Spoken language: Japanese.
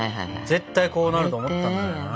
絶対こうなると思ったんだよな。